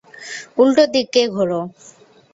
উল্টো দিকে ঘুর।